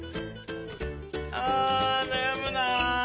あなやむな。